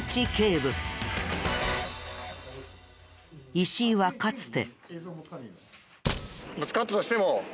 石井はかつて。